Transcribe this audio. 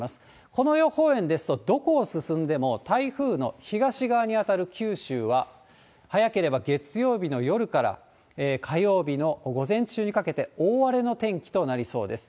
この予報円ですと、どこを進んでも台風の東側にあたる九州は、早ければ月曜日の夜から火曜日の午前中にかけて、大荒れの天気となりそうです。